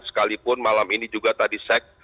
sekalipun malam ini juga tadi saya cek